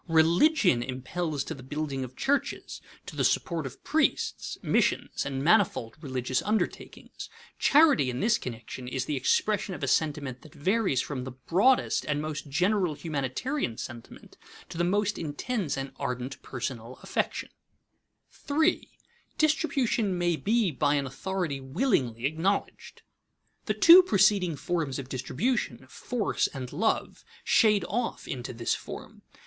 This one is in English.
Religion impels to the building of churches, to the support of priests, missions, and manifold religious undertakings. Charity in this connection is the expression of a sentiment that varies from the broadest and most general humanitarian sentiment to the most intense and ardent personal affection. [Sidenote: Authoritative distribution in the despotic state] 3. Distribution may be by an authority willingly acknowledged. The two preceding forms of distribution, force and love, shade off into this form.